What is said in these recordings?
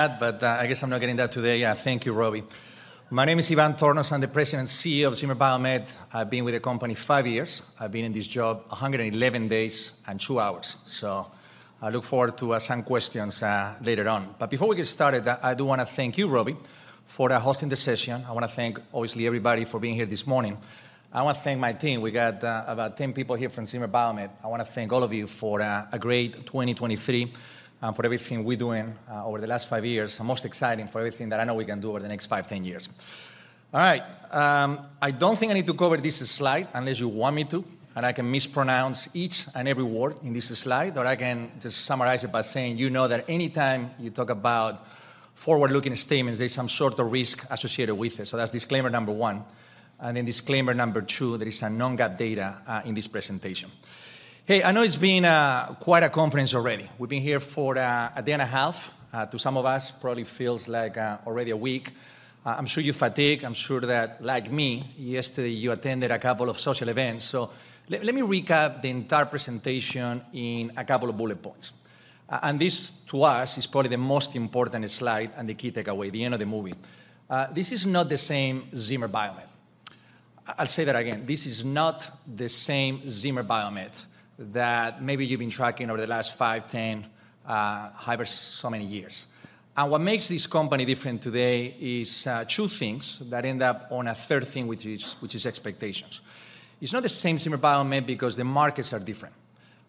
That—but, I guess I'm not getting that today. Yeah, thank you, Robbie. My name is Ivan Tornos. I'm the President and CEO of Zimmer Biomet. I've been with the company five years. I've been in this job 111 days and 2 hours, so I look forward to some questions later on. But before we get started, I do wanna thank you, Robbie, for hosting this session. I wanna thank, obviously, everybody for being here this morning. I wanna thank my team. We got about 10 people here from Zimmer Biomet. I wanna thank all of you for a great 2023, and for everything we're doing over the last five years, and most exciting, for everything that I know we can do over the next five, 10 years. All right, I don't think I need to cover this slide unless you want me to, and I can mispronounce each and every word in this slide, or I can just summarize it by saying you know that any time you talk about forward-looking statements, there's some sort of risk associated with it, so that's disclaimer number one. And then disclaimer number two, there is non-GAAP data in this presentation. Hey, I know it's been quite a conference already. We've been here for a day and a half. To some of us, it probably feels like already a week. I'm sure you're fatigued. I'm sure that, like me, yesterday, you attended a couple of social events, so let me recap the entire presentation in a couple of bullet points. This, to us, is probably the most important slide and the key takeaway, the end of the movie. This is not the same Zimmer Biomet. I'll say that again. This is not the same Zimmer Biomet that maybe you've been tracking over the last five, 10, however so many years. And what makes this company different today is two things that end up on a third thing, which is expectations. It's not the same Zimmer Biomet because the markets are different.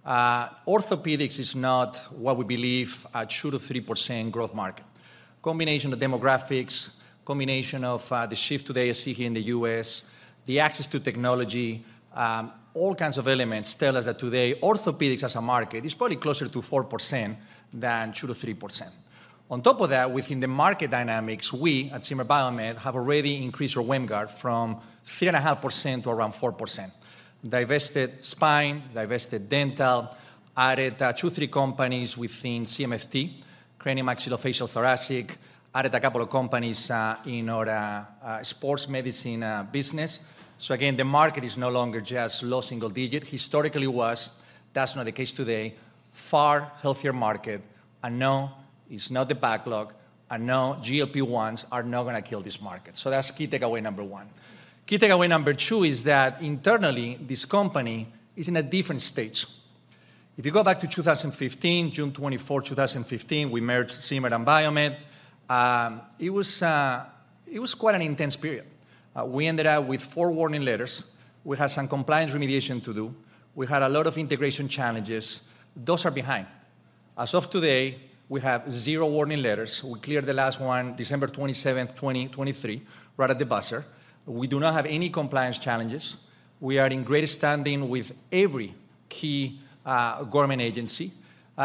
Orthopedics is not what we believe a 2%-3% growth market. Combination of demographics, combination of the shift today I see here in the U.S., the access to technology, all kinds of elements tell us that today, orthopedics as a market is probably closer to 4% than 2%-3%. On top of that, within the market dynamics, we at Zimmer Biomet have already increased our WAMGR from 3.5% to around 4%. Divested spine, divested dental, added two, three companies within CMFT, craniomaxillofacial and thoracic, added a couple of companies in our sports medicine business. So again, the market is no longer just low single digit. Historically it was. That's not the case today. Far healthier market, and no, it's not the backlog, and no, GLP-1s are not gonna kill this market. So that's key takeaway number one. Key takeaway number two is that internally, this company is in a different stage. If you go back to 2015, June 24, 2015, we merged Zimmer and Biomet. It was, it was quite an intense period. We ended up with four warning letters. We had some compliance remediation to do. We had a lot of integration challenges. Those are behind. As of today, we have zero warning letters. We cleared the last one December 27th, 2023, right at the buzzer. We do not have any compliance challenges. We are in great standing with every key government agency.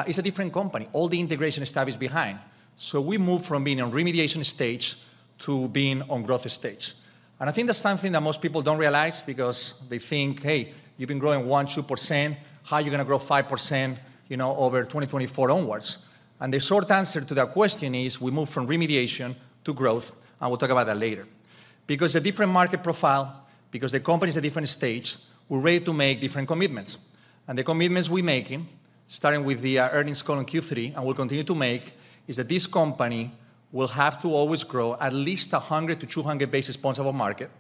It's a different company. All the integration stuff is behind. So we moved from being in remediation stage to being on growth stage, and I think that's something that most people don't realize because they think, Hey, you've been growing 1%-2%. How are you gonna grow 5%, you know, over 2024 onwards? And the short answer to that question is, we moved from remediation to growth, and we'll talk about that later. Because a different market profile, because the company's at a different stage, we're ready to make different commitments, and the commitments we're making, starting with the earnings call in Q3, and we'll continue to make, is that this company will have to always grow at least 100 to 200 basis points over market,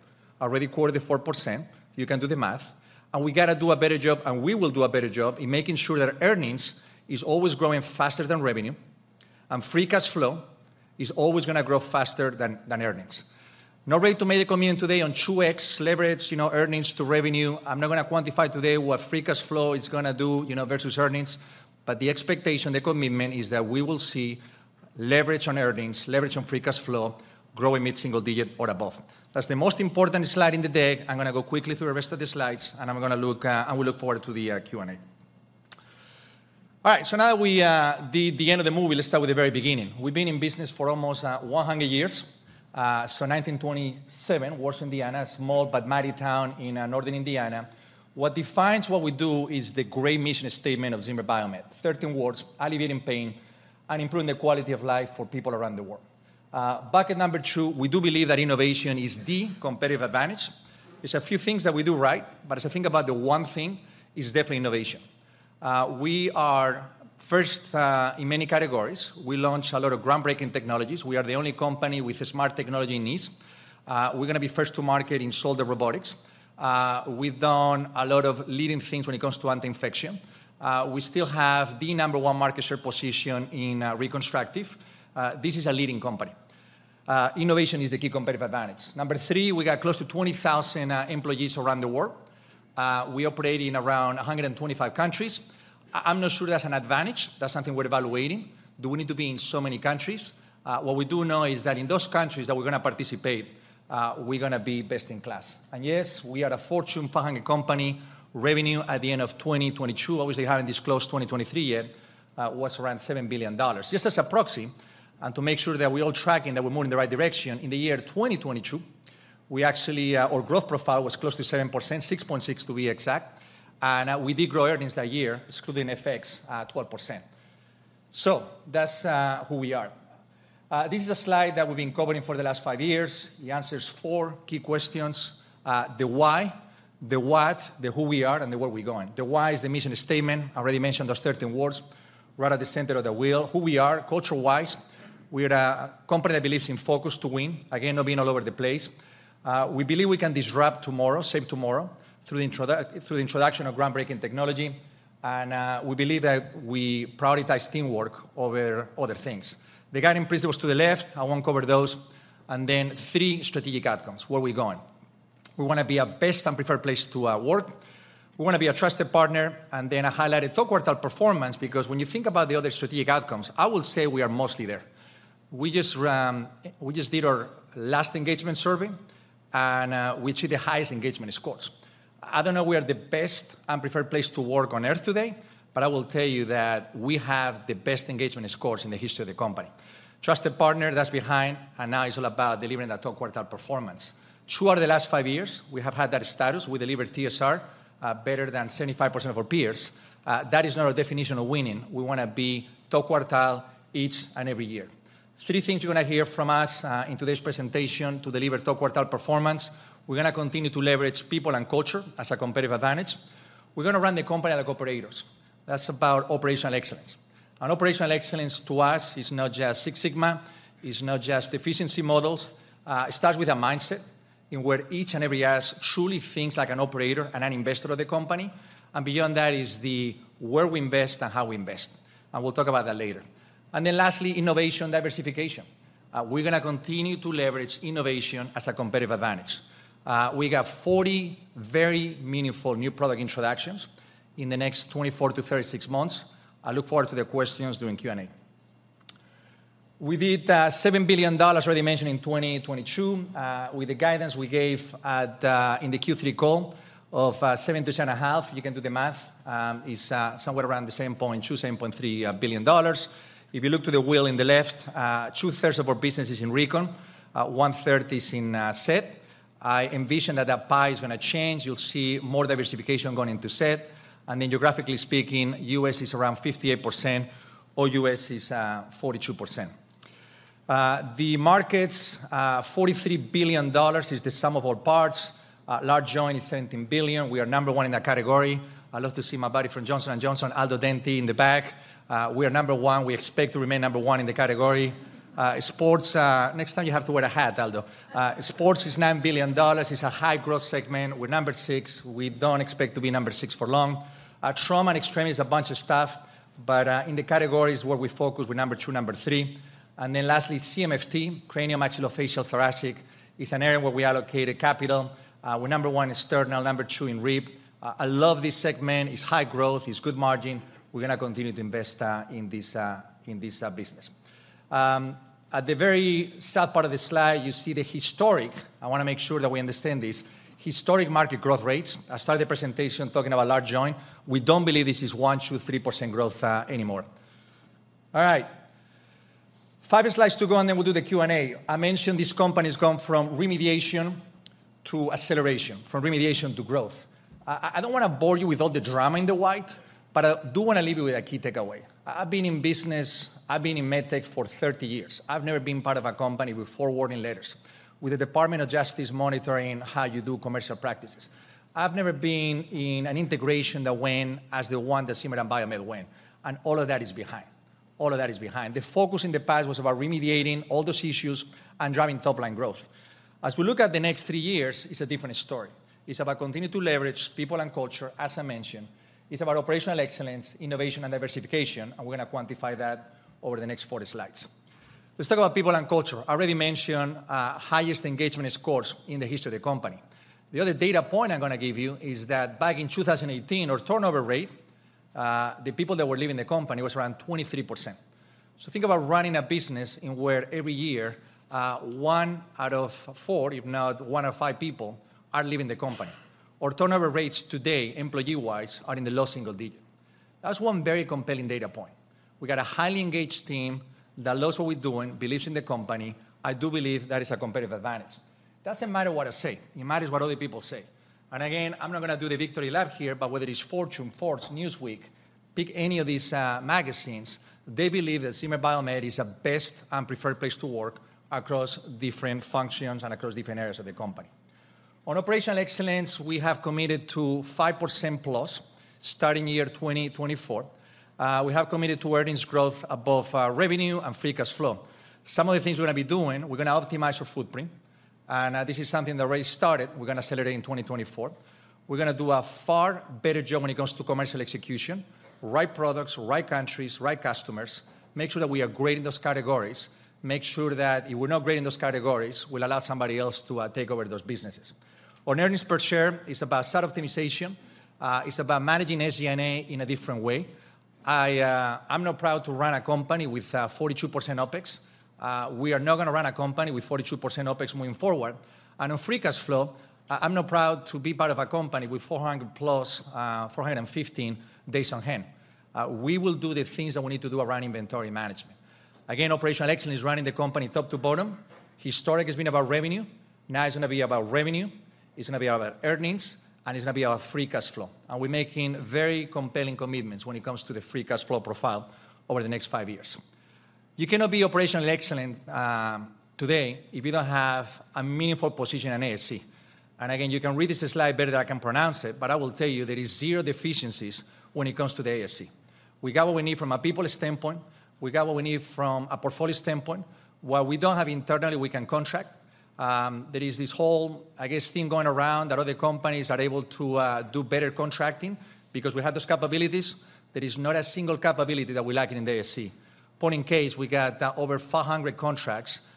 already quoted the 4%. You can do the math. And we gotta do a better job, and we will do a better job in making sure that earnings is always growing faster than revenue, and free cash flow is always gonna grow faster than earnings. Not ready to make a commitment today on 2x leverage, you know, earnings to revenue. I'm not gonna quantify today what free cash flow is gonna do, you know, versus earnings, but the expectation, the commitment, is that we will see leverage on earnings, leverage on free cash flow, growing mid-single digit or above. That's the most important slide in the deck. I'm gonna go quickly through the rest of the slides, and we look forward to the Q&A. All right, so now that we've seen the end of the movie, let's start with the very beginning. We've been in business for almost 100 years. So 1927, Warsaw, Indiana, a small but mighty town in northern Indiana. What defines what we do is the great mission statement of Zimmer Biomet. 13 words: alleviating pain and improving the quality of life for people around the world. Bucket number two, we do believe that innovation is the competitive advantage. There's a few things that we do right, but as I think about the one thing, it's definitely innovation. We are first in many categories. We launched a lot of groundbreaking technologies. We are the only company with a smart technology in knees. We're gonna be first to market in shoulder robotics. We've done a lot of leading things when it comes to infection. We still have the number one market share position in Reconstructive. This is a leading company. Innovation is the key competitive advantage. Number three, we got close to 20,000 employees around the world. We operate in around 125 countries. I'm not sure that's an advantage. That's something we're evaluating. Do we need to be in so many countries? What we do know is that in those countries that we're gonna participate, we're gonna be best-in-class. And yes, we are a Fortune 500 company. Revenue at the end of 2022, obviously, we haven't disclosed 2023 yet, was around $7 billion. Just as a proxy, and to make sure that we're all tracking, that we're moving in the right direction, in the year 2022, we actually—our growth profile was close to 7%, 6.6 to be exact, and, we did grow earnings that year, excluding FX, at 12%. So that's who we are. This is a slide that we've been covering for the last 5 years. It answers four key questions. The why—the what, the who we are, and the where we're going. The why is the mission statement. I already mentioned those 13 words right at the center of the wheel. Who we are, culture-wise, we are a company that believes in focus to win. Again, not being all over the place. We believe we can disrupt tomorrow, shape tomorrow, through the introduction of groundbreaking technology, and we believe that we prioritize teamwork over other things. The guiding principles to the left, I won't cover those. And then three strategic outcomes: where we're going. We wanna be a best and preferred place to work. We wanna be a trusted partner, and then I highlighted top quartile performance, because when you think about the other strategic outcomes, I will say we are mostly there. We just, we just did our last engagement survey, and we achieved the highest engagement scores. I don't know if we are the best and preferred place to work on Earth today, but I will tell you that we have the best engagement scores in the history of the company. Trusted partner, that's behind, and now it's all about delivering that top quartile performance. Throughout the last five years, we have had that status. We delivered TSR better than 75% of our peers. That is not our definition of winning. We wanna be top quartile each and every year. Three things you're gonna hear from us in today's presentation to deliver top quartile performance: we're gonna continue to leverage people and culture as a competitive advantage. We're gonna run the company like operators. That's about operational excellence, and operational excellence, to us, is not just Six Sigma, it's not just efficiency models. It starts with a mindset where each and every associate truly thinks like an operator and an investor of the company, and beyond that is where we invest and how we invest, and we'll talk about that later. Then lastly, innovation, diversification. We're gonna continue to leverage innovation as a competitive advantage. We got 40 very meaningful new product introductions in the next 24 to 36 months. I look forward to the questions during Q&A. We did $7 billion, already mentioned, in 2022. With the guidance we gave at, in the Q3 call of $7.2-$7.5. You can do the math. It's somewhere around 8.2, 8.3 billion dollars. If you look to the wheel in the left, two-thirds of our business is in Recon, one-third is in SET. I envision that that pie is gonna change. You'll see more diversification going into SET, and then geographically speaking, U.S. is around 58%, OUS is 42%. The markets, $43 billion is the sum of all parts. Large joint is $17 billion. We are number one in that category. I love to see my buddy from Johnson & Johnson, Aldo Denti, in the back. We are number one. We expect to remain number one in the category. Sports, next time you have to wear a hat, Aldo. Sports is $9 billion. It's a high-growth segment. We're number six. We don't expect to be number six for long. Trauma and extremity is a bunch of stuff, but in the categories where we focus, we're number 2, number 3. And then lastly, CMFT, craniomaxillofacial thoracic, is an area where we allocated capital. We're number 1 in sternal, number 2 in rib. I love this segment. It's high growth, it's good margin. We're gonna continue to invest in this business. At the very south part of the slide, you see the historic (I wanna make sure that we understand this) historic market growth rates. I started the presentation talking about large joint. We don't believe this is 1, 2, 3% growth anymore. All right, 5 slides to go, and then we'll do the Q&A. I mentioned this company has gone from remediation to acceleration, from remediation to growth. I don't wanna bore you with all the drama in the wild, but I do wanna leave you with a key takeaway. I've been in business, I've been in med tech for 30 years. I've never been part of a company with 4 warning letters, with the Department of Justice monitoring how you do commercial practices. I've never been in an integration that went as the one that Zimmer and Biomet went, and all of that is behind. All of that is behind. The focus in the past was about remediating all those issues and driving top-line growth. As we look at the next 3 years, it's a different story. It's about continue to leverage people and culture, as I mentioned. It's about operational excellence, innovation, and diversification, and we're gonna quantify that over the next 40 slides. Let's talk about people and culture. I already mentioned highest engagement scores in the history of the company. The other data point I'm gonna give you is that back in 2018, our turnover rate, the people that were leaving the company, was around 23%. So think about running a business in where every year, one out of four, if not one out of five people, are leaving the company. Our turnover rates today, employee-wise, are in the low single digit. That's one very compelling data point. We've got a highly engaged team that loves what we're doing, believes in the company. I do believe that is a competitive advantage. Doesn't matter what I say, it matters what other people say. And again, I'm not gonna do the victory lap here, but whether it's Fortune, Forbes, Newsweek, pick any of these magazines, they believe that Zimmer Biomet is a best and preferred place to work across different functions and across different areas of the company. On operational excellence, we have committed to 5%+, starting 2024. We have committed to earnings growth above revenue and free cash flow. Some of the things we're gonna be doing, we're gonna optimize our footprint, and this is something that already started. We're gonna accelerate in 2024. We're gonna do a far better job when it comes to commercial execution. Right products, right countries, right customers. Make sure that we are great in those categories. Make sure that if we're not great in those categories, we'll allow somebody else to take over those businesses. On earnings per share, it's about asset optimization. It's about managing SG&A in a different way. I, I'm not proud to run a company with 42% OpEx. We are not gonna run a company with 42% OpEx moving forward. And on free cash flow, I, I'm not proud to be part of a company with 400+, 415 days on hand. We will do the things that we need to do around inventory management. Again, operational excellence is running the company top to bottom. Historically has been about revenue. Now it's gonna be about revenue, it's gonna be about earnings, and it's gonna be about free cash flow, and we're making very compelling commitments when it comes to the free cash flow profile over the next 5 years. You cannot be operationally excellent today if you don't have a meaningful position in ASC. And again, you can read this slide better than I can pronounce it, but I will tell you, there is zero deficiencies when it comes to the ASC. We got what we need from a people standpoint. We got what we need from a portfolio standpoint. What we don't have internally, we can contract. There is this whole, I guess, thing going around that other companies are able to do better contracting because we have those capabilities. There is not a single capability that we lack in the ASC. Point in case, we got over 500 contracts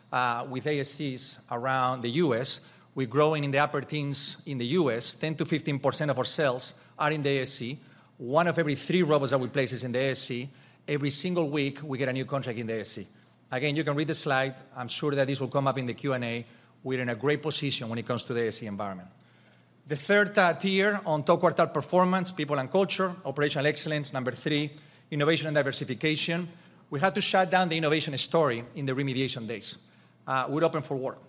with ASCs around the U.S. We're growing in the upper teens in the U.S. 10%-15% of our sales are in the ASC. One of every three robots that we place is in the ASC. Every single week, we get a new contract in the ASC. Again, you can read the slide. I'm sure that this will come up in the Q&A. We're in a great position when it comes to the ASC environment. The third tier on top quartile performance, people and culture, operational excellence, number three, innovation and diversification. We had to shut down the innovation story in the remediation days. We're open for work.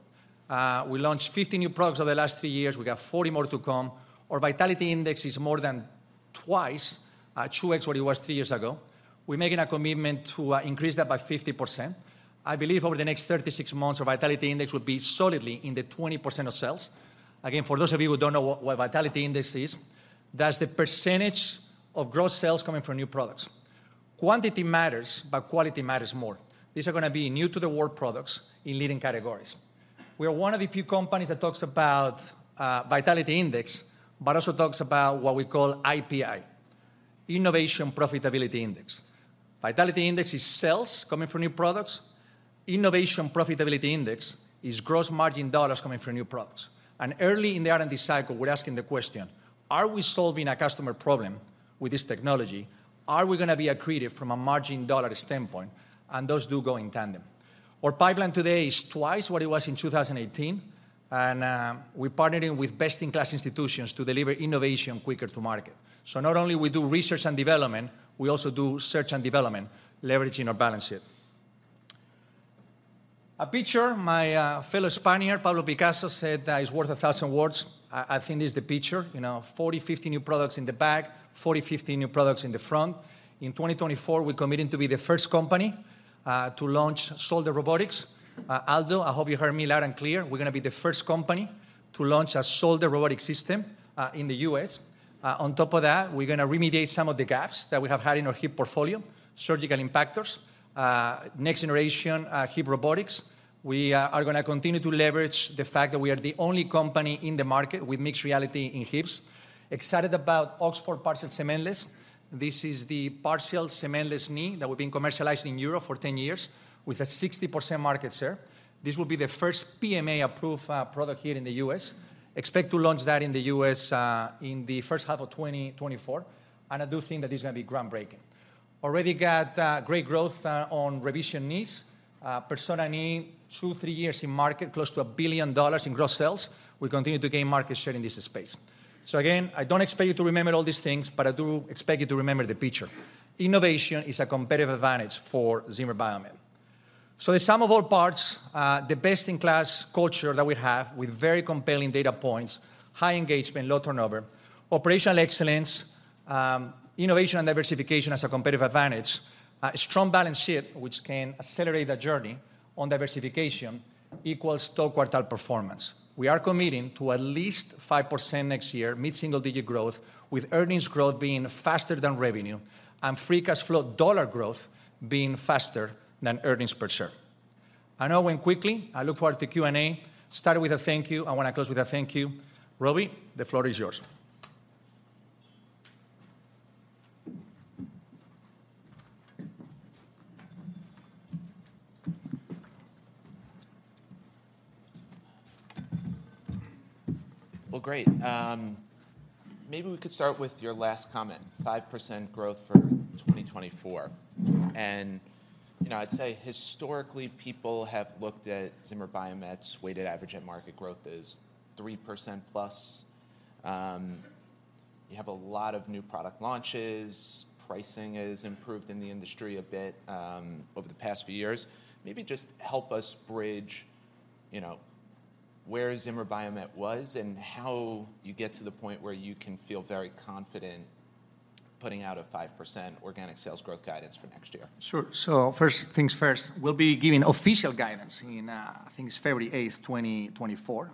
We launched 50 new products over the last three years. We got 40 more to come. Our Vitality Index is more than twice to what it was three years ago. We're making a commitment to increase that by 50%. I believe over the next 36 months, our Vitality Index will be solidly in the 20% of sales. Again, for those of you who don't know what vitality index is, that's the percentage of gross sales coming from new products. Quantity matters, but quality matters more. These are gonna be new-to-the-world products in leading categories. We are one of the few companies that talks about vitality index, but also talks about what we call IPI, Innovation Profitability Index. Vitality Index is sales coming from new products. Innovation Profitability Index is gross margin dollars coming from new products. And early in the R&D cycle, we're asking the question: Are we solving a customer problem with this technology? Are we gonna be accretive from a margin dollar standpoint? And those do go in tandem. Our pipeline today is twice what it was in 2018, and we're partnering with best-in-class institutions to deliver innovation quicker to market. So not only do we do research and development, we also do search and development, leveraging our balance sheet. A picture, my fellow Spaniard, Pablo Picasso, said, is worth a thousand words. I think this is the picture. You know, 40-50 new products in the back, 40-50 new products in the front. In 2024, we're committing to be the first company to launch shoulder robotics. Aldo, I hope you heard me loud and clear. We're gonna be the first company to launch a shoulder robotic system in the U.S. On top of that, we're gonna remediate some of the gaps that we have had in our hip portfolio, surgical impactors, next-generation hip robotics. We are gonna continue to leverage the fact that we are the only company in the market with mixed reality in hips. Excited about Oxford Cementless Partial Knee. This is the Cementless Partial Knee that we've been commercializing in Europe for 10 years with a 60% market share. This will be the first PMA-approved product here in the U.S. Expect to launch that in the U.S. in the first half of 2024, and I do think that it's gonna be groundbreaking. Already got great growth on revision knees. Persona Knee, 2-3 years in market, close to $1 billion in gross sales. We continue to gain market share in this space. So again, I don't expect you to remember all these things, but I do expect you to remember the picture. Innovation is a competitive advantage for Zimmer Biomet. So the sum of all parts, the best-in-class culture that we have with very compelling data points, high engagement, low turnover, operational excellence, innovation and diversification as a competitive advantage, a strong balance sheet, which can accelerate the journey on diversification, equals top quartile performance. We are committing to at least 5% next year, mid-single-digit growth, with earnings growth being faster than revenue and free cash flow dollar growth being faster than earnings per share. I know I went quickly. I look forward to Q&A. Started with a thank you, I want to close with a thank you. Robbie, the floor is yours. Well, great. Maybe we could start with your last comment, 5% growth for 2024. And, you know, I'd say historically, people have looked at Zimmer Biomet's weighted average market growth as 3% plus. You have a lot of new product launches. Pricing has improved in the industry a bit over the past few years. Maybe just help us bridge, you know, where Zimmer Biomet was and how you get to the point where you can feel very confident putting out a 5% organic sales growth guidance for next year. Sure. So first things first, we'll be giving official guidance in, I think it's February 8, 2024.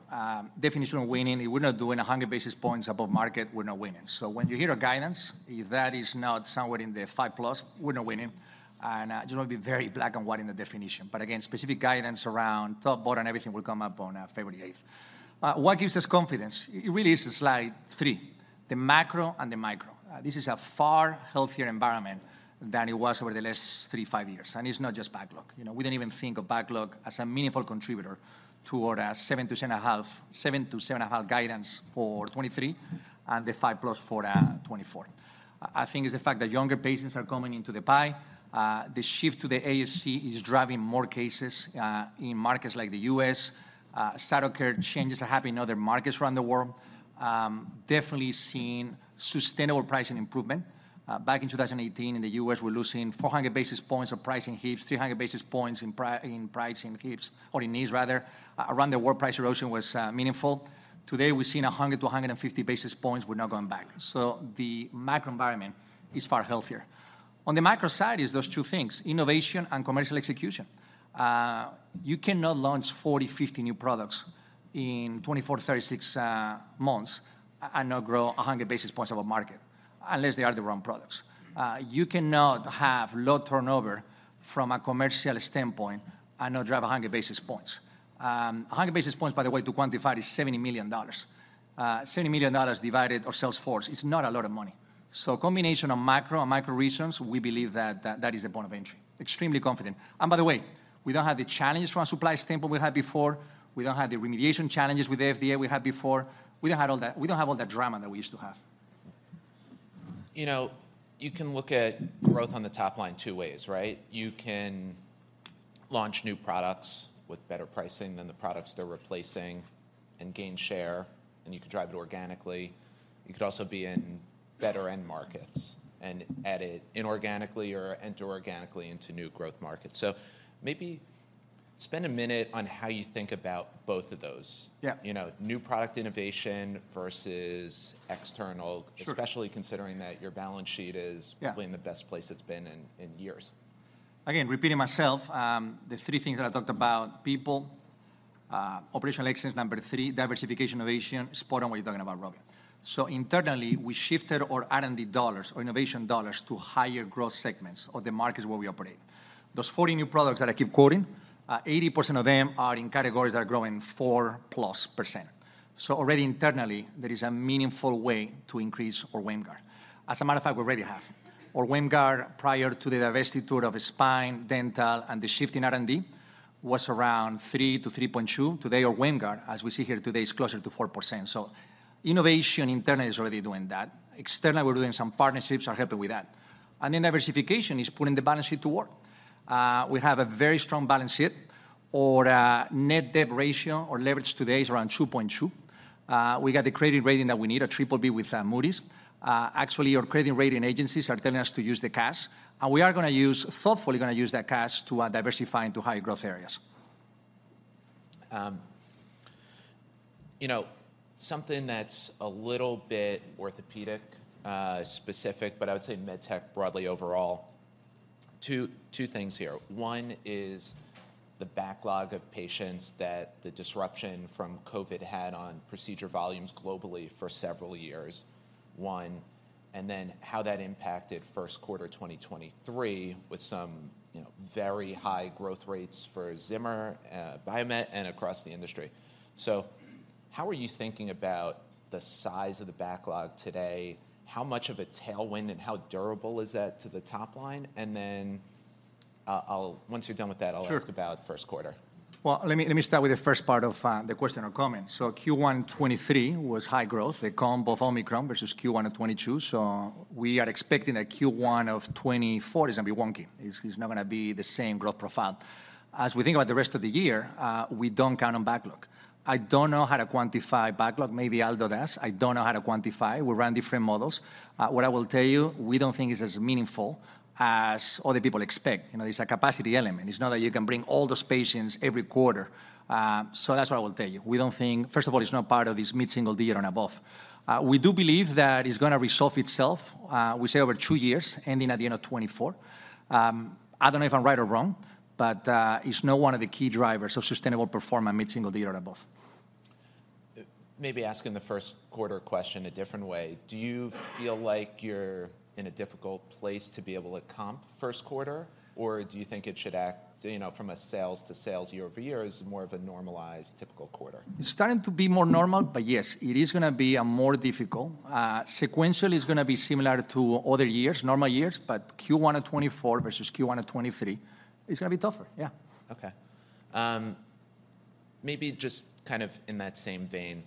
Definition of winning, we're not doing 100 basis points above market, we're not winning. So when you hear our guidance, if that is not somewhere in the 5+, we're not winning. And, it's going to be very black and white in the definition. But again, specific guidance around top, bottom, and everything will come up on February 8. What gives us confidence? It really is slide three, the macro and the micro. This is a far healthier environment than it was over the last 3, 5 years, and it's not just backlog. You know, we didn't even think of backlog as a meaningful contributor toward a 7-7.5 guidance for 2023 and the 5+ for 2024. I think it's the fact that younger patients are coming into the pie. The shift to the ASC is driving more cases in markets like the US. Standard of care changes are happening in other markets around the world. Definitely seeing sustainable pricing improvement. Back in 2018, in the US, we're losing 400 basis points of pricing in hips, 300 basis points in pricing in hips or in knees, rather. Around the world, price erosion was meaningful. Today, we're seeing 100-150 basis points. We're not going back. So the macro environment is far healthier. On the micro side is those two things: innovation and commercial execution. You cannot launch 40-50 new products in 24-36 months and not grow 100 basis points of a market, unless they are the wrong products. You cannot have low turnover from a commercial standpoint and not drive 100 basis points. 100 basis points, by the way, to quantify, is $70 million. $70 million divided our sales force, it's not a lot of money. So combination of macro and micro reasons, we believe that that is the point of entry. Extremely confident. And by the way, we don't have the challenges from a supply standpoint we had before. We don't have the remediation challenges with the FDA we had before. We don't have all that drama that we used to have. You know, you can look at growth on the top line two ways, right? You can launch new products with better pricing than the products they're replacing and gain share, and you can drive it organically. You could also be in better end markets and add it inorganically or organically into new growth markets. Maybe spend a minute on how you think about both of those. Yeah. You know, new product innovation versus external— Sure. Especially considering that your balance sheet is— Yeah. Probably in the best place it's been in, in years. Again, repeating myself, the three things that I talked about: people, operational excellence, number three, diversification, innovation. Spot on what you're talking about, Robbie. So internally, we shifted our R&D dollars or innovation dollars to higher growth segments of the markets where we operate. Those 40 new products that I keep quoting, 80% of them are in categories that are growing 4%+. So already internally, there is a meaningful way to increase our WAMGR. As a matter of fact, we already have. Our WAMGR, prior to the divestiture of Spine, Dental, and the shift in R&D, was around 3-3.2. Today, our WAMGR, as we see here today, is closer to 4%. So innovation internally is already doing that. Externally, we're doing some partnerships are helping with that. Then diversification is putting the balance sheet to work. We have a very strong balance sheet. Our net debt ratio, our leverage today is around 2.2. We got the credit rating that we need, a BBB with Moody's. Actually, our credit rating agencies are telling us to use the cash, and we are gonna use thoughtfully that cash to diversify into higher growth areas. You know, something that's a little bit orthopedic, specific, but I would say med tech broadly overall, two things here. One is the backlog of patients that the disruption from COVID had on procedure volumes globally for several years, and then how that impacted first quarter 2023, with some, you know, very high growth rates for Zimmer Biomet, and across the industry. So how are you thinking about the size of the backlog today? How much of a tailwind and how durable is that to the top line? And then, I'll. Once you're done with that— Sure. I'll ask about first quarter. Well, let me, let me start with the first part of the question or comment. So Q1 2023 was high growth. They comp both Omicron versus Q1 of 2022, so we are expecting that Q1 of 2024 is gonna be wonky. It's, it's not gonna be the same growth profile. As we think about the rest of the year, we don't count on backlog. I don't know how to quantify backlog. Maybe Aldo does. I don't know how to quantify. We run different models. What I will tell you, we don't think it's as meaningful as other people expect. You know, it's a capacity element. It's not that you can bring all those patients every quarter. So that's what I will tell you. We don't think—first of all, it's not part of this mid-single digit and above. We do believe that it's gonna resolve itself, we say over two years, ending at the end of 2024. I don't know if I'm right or wrong, but it's not one of the key drivers of sustainable performance at mid-single digit or above. Maybe asking the first quarter question a different way: Do you feel like you're in a difficult place to be able to comp first quarter, or do you think it should act, you know, from a sales to sales year-over-year, is more of a normalized, typical quarter? It's starting to be more normal, but yes, it is gonna be more difficult. Sequentially, it's gonna be similar to other years, normal years, but Q1 of 2024 versus Q1 of 2023, it's gonna be tougher. Yeah. Okay. Maybe just kind of in that same vein,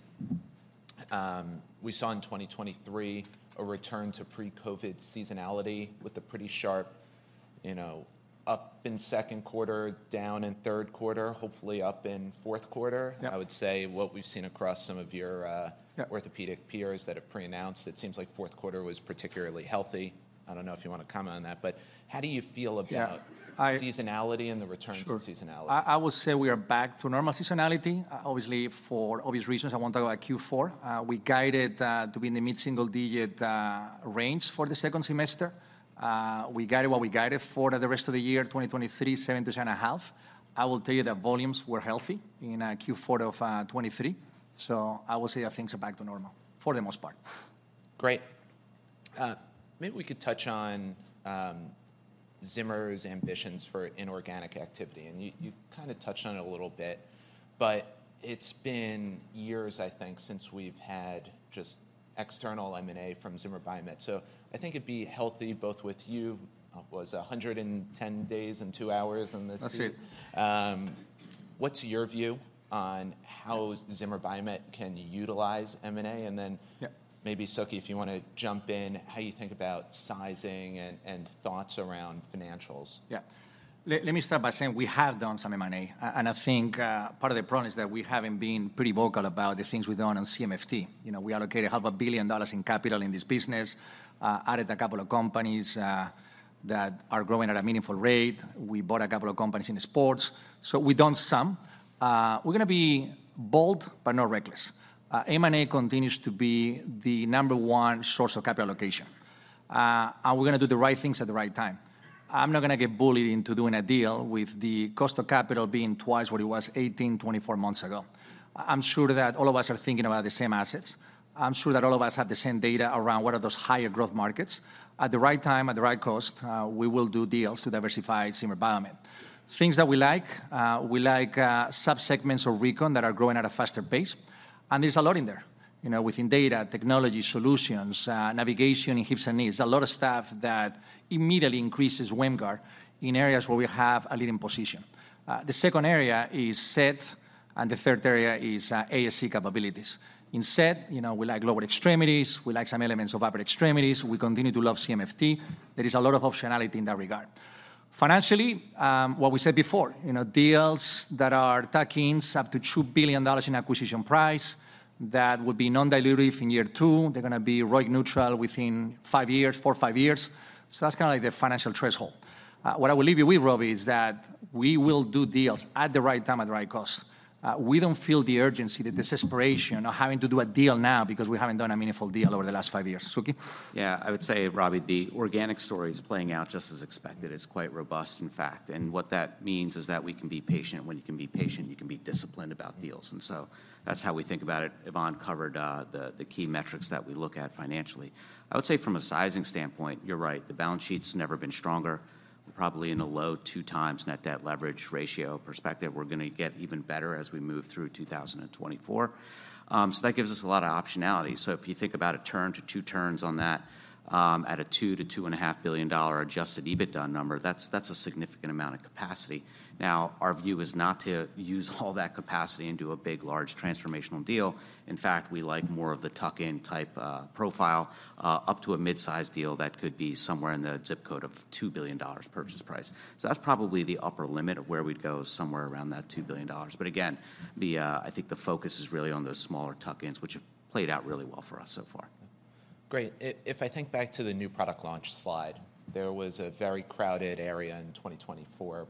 we saw in 2023 a return to pre-COVID seasonality with a pretty sharp, you know, up in second quarter, down in third quarter, hopefully up in fourth quarter. Yeah. I would say what we've seen across some of your orthopedic peers that have pre-announced, it seems like fourth quarter was particularly healthy. I don't know if you want to comment on that, but how do you feel about- Yeah, I— Seasonality and the return to seasonality? Sure. I would say we are back to normal seasonality. Obviously, for obvious reasons, I won't talk about Q4. We guided to be in the mid-single-digit range for the second semester. We guided what we guided for the rest of the year, 2023, 7.5%. I will tell you that volumes were healthy in Q4 of 2023, so I will say that things are back to normal for the most part. Great. Maybe we could touch on Zimmer's ambitions for inorganic activity. You, you've kind of touched on it a little bit, but it's been years, I think, since we've had just external M&A from Zimmer Biomet. So I think it'd be healthy, both with you, what is it? 110 days and 2 hours in this seat. That's it. What's your view on how Zimmer Biomet can utilize M&A? And then— Yeah. Maybe, Suky, if you want to jump in, how you think about sizing and thoughts around financials. Yeah. Let me start by saying we have done some M&A, and I think part of the problem is that we haven't been pretty vocal about the things we've done on CMFT. You know, we allocated $500 million in capital in this business, added a couple of companies that are growing at a meaningful rate. We bought a couple of companies in sports. So we've done some. We're going to be bold but not reckless. M&A continues to be the number one source of capital allocation. And we're going to do the right things at the right time. I'm not going to get bullied into doing a deal with the cost of capital being twice what it was 18-24 months ago. I'm sure that all of us are thinking about the same assets. I'm sure that all of us have the same data around what are those higher growth markets. At the right time, at the right cost, we will do deals to diversify Zimmer Biomet. Things that we like, we like, sub-segments of Recon that are growing at a faster pace, and there's a lot in there. You know, within data, technology, solutions, navigation in hips and knees. A lot of stuff that immediately increases WAMGR in areas where we have a leading position. The second area is SET, and the third area is, ASC capabilities. In SET, you know, we like lower extremities, we like some elements of upper extremities. We continue to love CMFT. There is a lot of optionality in that regard. Financially, what we said before, you know, deals that are tuck-ins up to $2 billion in acquisition price, that would be non-dilutive in year 2. They're going to be ROIC neutral within 5 years, 4-5 years. So that's kind of like the financial threshold. What I will leave you with, Robbie, is that we will do deals at the right time, at the right cost. We don't feel the urgency, the desperation of having to do a deal now because we haven't done a meaningful deal over the last 5 years. Suky? Yeah, I would say, Robbie, the organic story is playing out just as expected. It's quite robust, in fact, and what that means is that we can be patient. When you can be patient, you can be disciplined about deals, and so that's how we think about it. Iván covered the key metrics that we look at financially. I would say from a sizing standpoint, you're right, the balance sheet's never been stronger. Probably in a low 2x net debt leverage ratio perspective. We're going to get even better as we move through 2024. So that gives us a lot of optionality. So if you think about 1-2 turns on that, at a $2-$2.5 billion adjusted EBITDA number, that's a significant amount of capacity. Now, our view is not to use all that capacity and do a big, large transformational deal. In fact, we like more of the tuck-in type, profile, up to a mid-size deal that could be somewhere in the zip code of $2 billion purchase price. So that's probably the upper limit of where we'd go, somewhere around that $2 billion. But again, the, I think the focus is really on those smaller tuck-ins, which have played out really well for us so far. Great. If I think back to the new product launch slide, there was a very crowded area in 2024+.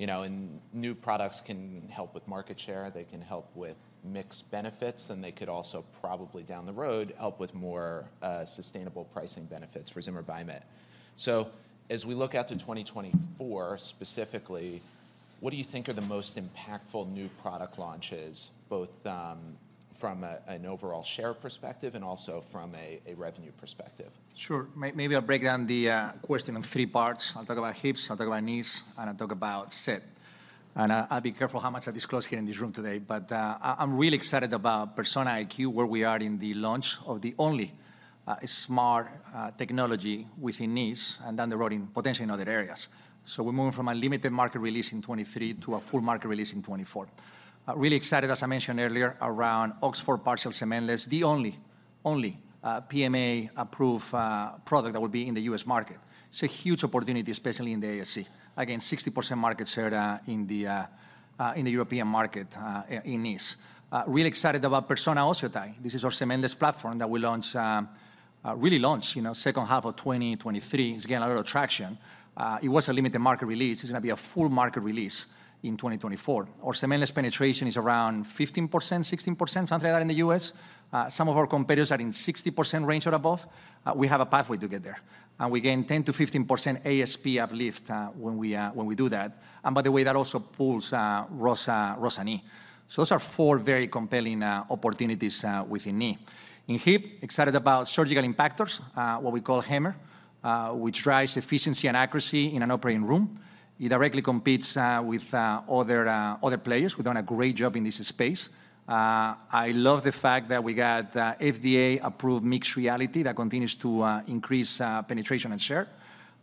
You know, and new products can help with market share, they can help with mixed benefits, and they could also probably, down the road, help with more sustainable pricing benefits for Zimmer Biomet. So as we look out to 2024, specifically, what do you think are the most impactful new product launches, both from an overall share perspective and also from a revenue perspective? Sure. Maybe I'll break down the question in three parts. I'll talk about hips, I'll talk about knees, and I'll talk about SET. I'll be careful how much I disclose here in this room today, but I'm really excited about Persona IQ, where we are in the launch of the only smart technology within knees and down the road in potentially in other areas. So we're moving from a limited market release in 2023 to a full market release in 2024. Really excited, as I mentioned earlier, around Oxford Partial Cementless, the only only PMA-approved product that will be in the U.S. market. It's a huge opportunity, especially in the ASC. Again, 60% market share in the European market in knees. Really excited about Persona OsseoTi. This is our cementless platform that we launched, really launched, you know, second half of 2023. It's gained a lot of traction. It was a limited market release. It's going to be a full market release in 2024. Our cementless penetration is around 15%, 16%, something like that, in the U.S. Some of our competitors are in 60% range or above. We have a pathway to get there, and we gain 10%-15% ASP uplift, when we, when we do that. And by the way, that also pulls, ROSA, ROSA Knee. So those are four very compelling, opportunities, within knee. In hip, excited about surgical impactors, what we call HAMR, which drives efficiency and accuracy in an operating room. It directly competes with other players who've done a great job in this space. I love the fact that we got FDA-approved mixed reality that continues to increase penetration and share.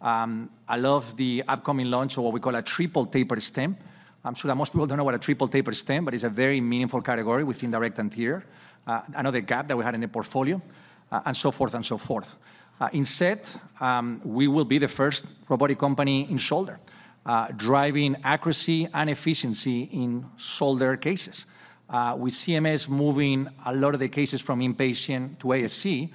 I love the upcoming launch of what we call a triple-tapered stem. I'm sure that most people don't know what a triple-tapered stem, but it's a very meaningful category within direct anterior, another gap that we had in the portfolio, and so forth and so forth. In SET, we will be the first robotic company in shoulder, driving accuracy and efficiency in shoulder cases. With CMS moving a lot of the cases from inpatient to ASC,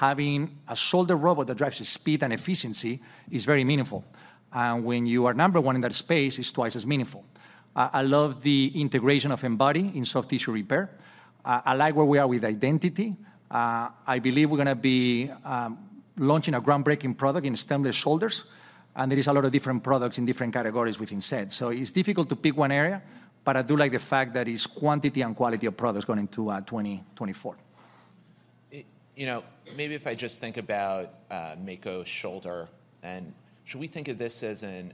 having a shoulder robot that drives speed and efficiency is very meaningful, and when you are number one in that space, it's twice as meaningful. I love the integration of Embody in soft tissue repair. I like where we are with Identity. I believe we're going to be launching a groundbreaking product in stemless shoulders, and there is a lot of different products in different categories within SET. So it's difficult to pick one area, but I do like the fact that it's quantity and quality of products going into 2024. You know, maybe if I just think about Mako Shoulder, and should we think of this as a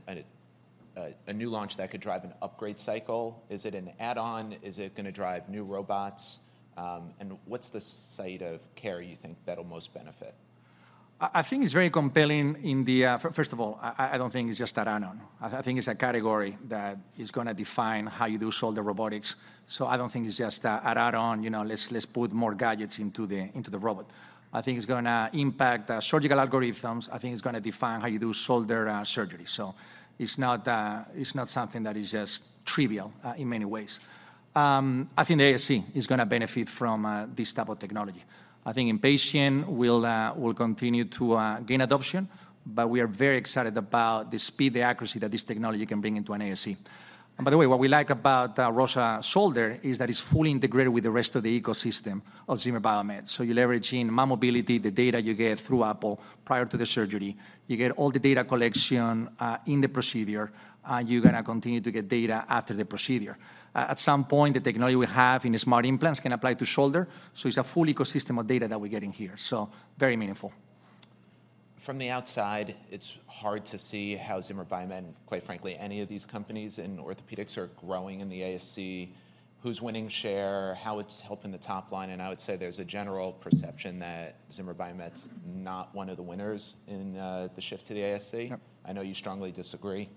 new launch that could drive an upgrade cycle? Is it an add-on? Is it going to drive new robots? And what's the site of care you think that'll most benefit? I think it's very compelling. First of all, I don't think it's just an add-on. I think it's a category that is going to define how you do shoulder robotics. So I don't think it's just an add-on, you know, let's put more gadgets into the robot. I think it's going to impact surgical algorithms. I think it's going to define how you do shoulder surgery. So it's not something that is just trivial in many ways. I think the ASC is gonna benefit from this type of technology. I think inpatient will continue to gain adoption, but we are very excited about the speed, the accuracy that this technology can bring into an ASC. By the way, what we like about ROSA Shoulder is that it's fully integrated with the rest of the ecosystem of Zimmer Biomet. So you're leveraging mobility, the data you get through Apple prior to the surgery. You get all the data collection in the procedure, and you're gonna continue to get data after the procedure. At some point, the technology we have in the smart implants can apply to shoulder, so it's a full ecosystem of data that we're getting here, so very meaningful. From the outside, it's hard to see how Zimmer Biomet, and quite frankly, any of these companies in orthopedics are growing in the ASC, who's winning share, how it's helping the top line. I would say there's a general perception that Zimmer Biomet's not one of the winners in, the shift to the ASC. Yep. I know you strongly disagree.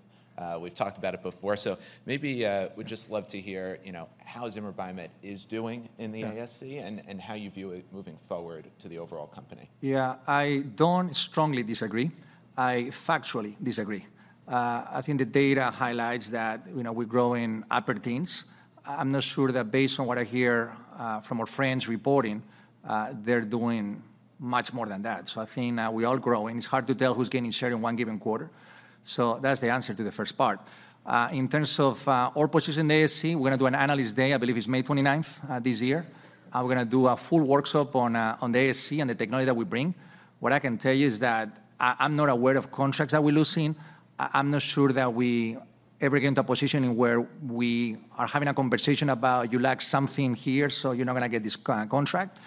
We've talked about it before, so maybe would just love to hear, you know, how Zimmer Biomet is doing in the ASC— Yeah. And how you view it moving forward to the overall company. Yeah, I don't strongly disagree. I factually disagree. I think the data highlights that, you know, we're growing upper teens. I'm not sure that based on what I hear from our friends reporting, they're doing much more than that. So I think, we're all growing. It's hard to tell who's gaining share in one given quarter. So that's the answer to the first part. In terms of our position in the ASC, we're gonna do an analyst day, I believe it's May 29th this year. We're gonna do a full workshop on the ASC and the technology that we bring. What I can tell you is that I, I'm not aware of contracts that we're losing. I'm not sure that we ever get in a position where we are having a conversation about you lack something here, so you're not gonna get this contract.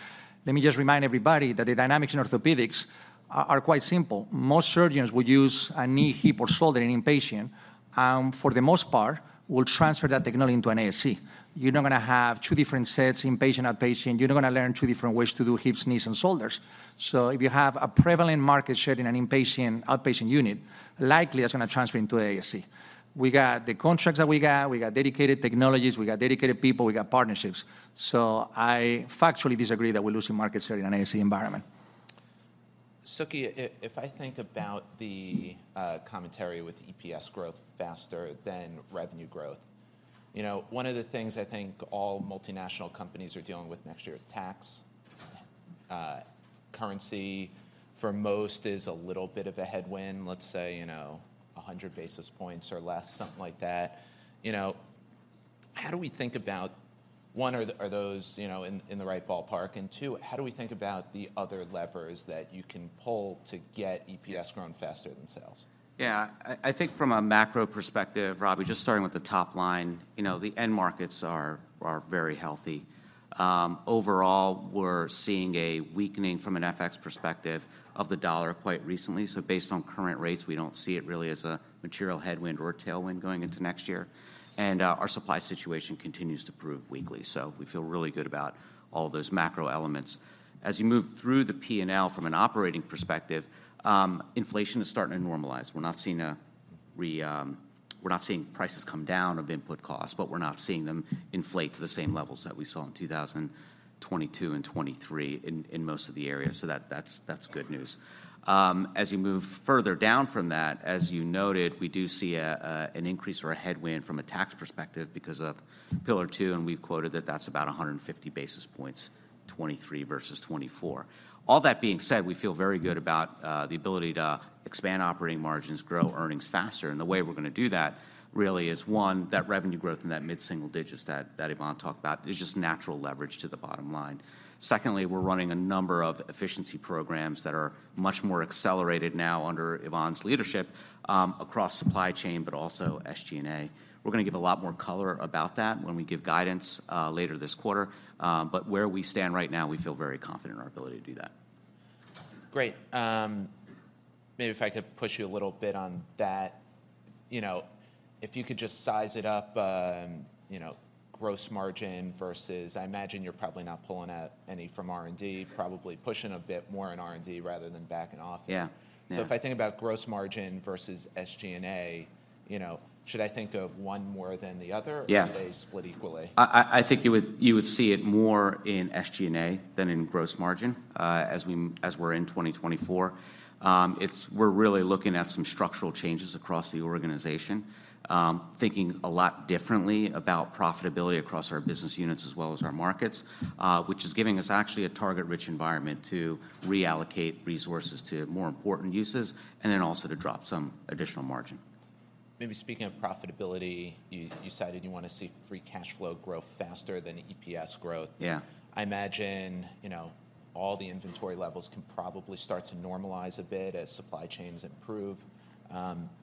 Let me just remind everybody that the dynamics in orthopedics are quite simple. Most surgeons will use a knee, hip, or shoulder in inpatient, for the most part, will transfer that technology into an ASC. You're not gonna have two different sets, inpatient, outpatient. You're not gonna learn two different ways to do hips, knees, and shoulders. So if you have a prevalent market share in an inpatient/outpatient unit, likely that's gonna transfer into ASC. We got the contracts that we got, we got dedicated technologies, we got dedicated people, we got partnerships. So I factually disagree that we're losing market share in an ASC environment. Suky, if I think about the commentary with EPS growth faster than revenue growth, you know, one of the things I think all multinational companies are dealing with next year is tax. Currency for most is a little bit of a headwind, let's say, you know, 100 basis points or less, something like that. You know, how do we think about, one, are those, you know, in the right ballpark? And two, how do we think about the other levers that you can pull to get EPS growing faster than sales? Yeah. I think from a macro perspective, Rob, we're just starting with the top line. You know, the end markets are very healthy. Overall, we're seeing a weakening from an FX perspective of the US dollar quite recently. So based on current rates, we don't see it really as a material headwind or tailwind going into next year. And our supply situation continues to improve weekly, so we feel really good about all those macro elements. As you move through the P&L from an operating perspective, inflation is starting to normalize. We're not seeing prices come down of input costs, but we're not seeing them inflate to the same levels that we saw in 2022 and 2023 in most of the areas. So that's good news. As you move further down from that, as you noted, we do see an increase or a headwind from a tax perspective because of Pillar Two, and we've quoted that that's about 150 basis points, 2023 versus 2024. All that being said, we feel very good about the ability to expand operating margins, grow earnings faster, and the way we're gonna do that really is, one, that revenue growth in that mid-single digits that Ivan talked about. It's just natural leverage to the bottom line. Secondly, we're running a number of efficiency programs that are much more accelerated now under Ivan's leadership, across supply chain, but also SG&A. We're gonna give a lot more color about that when we give guidance, later this quarter, but where we stand right now, we feel very confident in our ability to do that. Great. Maybe if I could push you a little bit on that, you know, if you could just size it up, you know, gross margin versus—I imagine you're probably not pulling out any from R&D, probably pushing a bit more in R&D rather than backing off. Yeah. Yeah. If I think about gross margin versus SG&A, you know, should I think of one more than the other? Yeah. Or are they split equally? I think you would see it more in SG&A than in gross margin, as we're in 2024. We're really looking at some structural changes across the organization, thinking a lot differently about profitability across our business units as well as our markets, which is giving us actually a target-rich environment to reallocate resources to more important uses, and then also to drop some additional margin. Maybe speaking of profitability, you cited you want to see free cash flow grow faster than EPS growth. Yeah. I imagine, you know, all the inventory levels can probably start to normalize a bit as supply chains improve.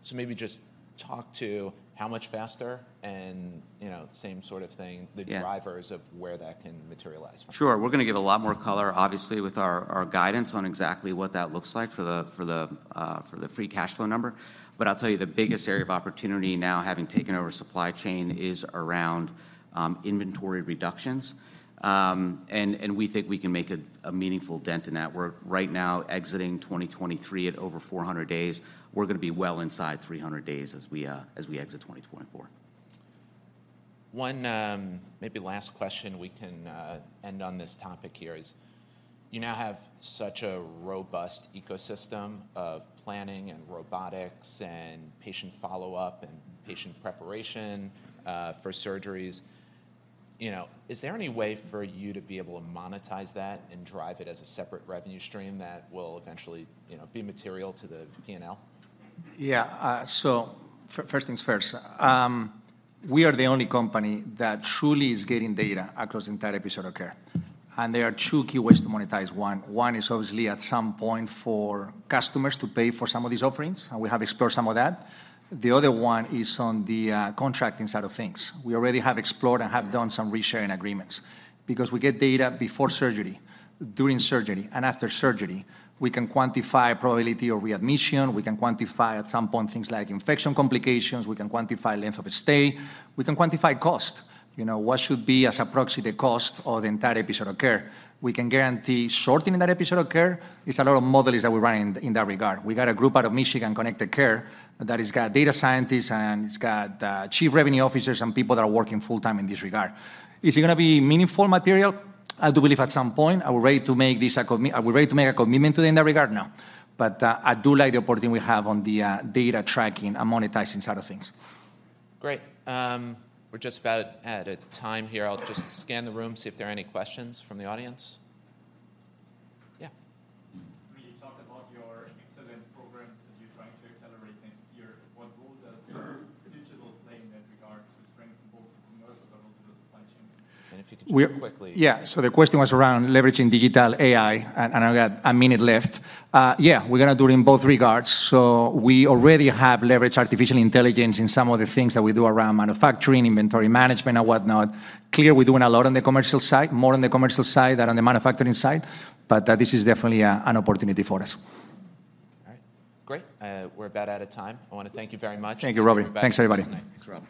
So maybe just talk to how much faster and, you know, same sort of thing- Yeah. The drivers of where that can materialize. Sure. We're gonna give a lot more color, obviously, with our guidance on exactly what that looks like for the free cash flow number. But I'll tell you, the biggest area of opportunity now, having taken over supply chain, is around inventory reductions. And we think we can make a meaningful dent in that. We're right now exiting 2023 at over 400 days. We're gonna be well inside 300 days as we exit 2024. One, maybe last question we can end on this topic here is: You now have such a robust ecosystem of planning and robotics and patient follow-up and patient preparation for surgeries. You know, is there any way for you to be able to monetize that and drive it as a separate revenue stream that will eventually, you know, be material to the P&L? Yeah, so first things first. We are the only company that truly is getting data across entire episode of care, and there are two key ways to monetize. One, one is obviously at some point, for customers to pay for some of these offerings, and we have explored some of that. The other one is on the contracting side of things. We already have explored and have done some risk-sharing agreements. Because we get data before surgery, during surgery, and after surgery. We can quantify probability of readmission, we can quantify at some point things like infection complications, we can quantify length of stay, we can quantify cost. You know, what should be as a proxy, the cost of the entire episode of care? We can guarantee shortening that episode of care. It's a lot of models that we run in that regard. We got a group out of Michigan Connected Care, that has got data scientists, and it's got chief revenue officers and people that are working full-time in this regard. Is it gonna be meaningful material? I do believe at some point. Are we ready to make a commitment today in that regard? No. But, I do like the opportunity we have on the data tracking and monetizing side of things. Great. We're just about out of time here. I'll just scan the room, see if there are any questions from the audience. Yeah. When you talk about your excellent programs that you're trying to accelerate next year, what role does digital play in that regard to strengthen both commercial, but also the supply chain? If you could quickly— Yeah. So the question was around leveraging digital AI, and I've got a minute left. Yeah, we're gonna do it in both regards. So we already have leveraged artificial intelligence in some of the things that we do around manufacturing, inventory management, and whatnot. Clearly, we're doing a lot on the commercial side, more on the commercial side than on the manufacturing side, but this is definitely an opportunity for us. All right, great. We're about out of time. I wanna thank you very much— Thank you, Robbie. Thanks for listening. Thanks, everybody.